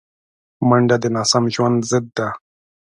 منډه د ناسم ژوند ضد ده